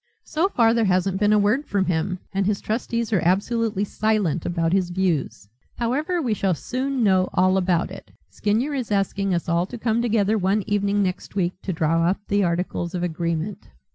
So far there hasn't been a word from him, and his trustees are absolutely silent about his views. However, we shall soon know all about it. Skinyer is asking us all to come together one evening next week to draw up the articles of agreement."